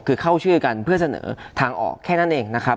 คือเข้าชื่อกันเพื่อเสนอทางออกแค่นั้นเองนะครับ